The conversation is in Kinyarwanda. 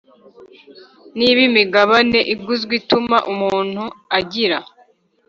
Niba imigabane iguzwe ituma umuntu agira